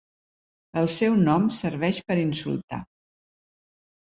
El seu nom serveix per insultar.